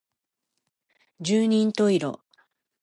十人十色